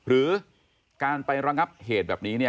หรือการไประงับเหตุแบบนี้เนี่ย